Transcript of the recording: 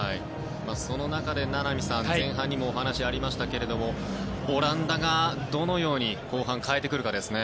その中で、名波さん前半にもお話がありましたがオランダがどのように後半代えてくるかですね。